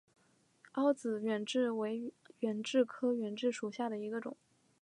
凹籽远志为远志科远志属下的一个种。